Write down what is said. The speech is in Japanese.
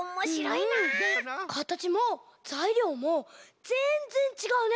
かたちもざいりょうもぜんぜんちがうね。